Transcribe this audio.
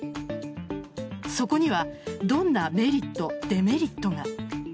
そこにはどんなメリット、デメリットが。